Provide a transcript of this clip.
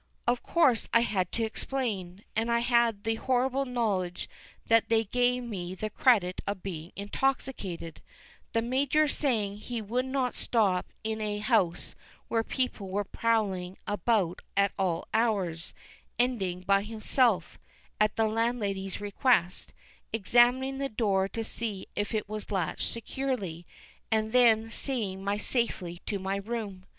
Of course I had to explain; and I had the horrible knowledge that they gave me the credit of being intoxicated the Major saying he would not stop in a house where people went prowling about at all hours, ending by himself, at the landlady's request, examining the door to see if it was latched securely, and then seeing me safely to my room.